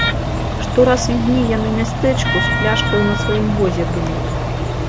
Што раз відней яны мястэчку з пляшкаю на сваім возе былі.